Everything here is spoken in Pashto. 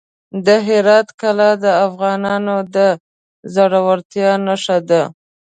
د هرات کلا د افغانانو د زړورتیا نښه ده.